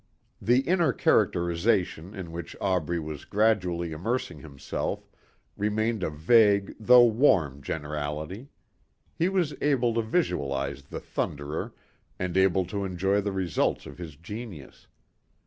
The inner characterization in which Aubrey was gradually immersing himself remained a vague though warm generality. He was able to visualize the Thunderer and able to enjoy the results of his genius.